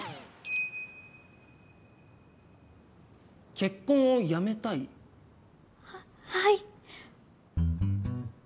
結婚をやめたい？ははい。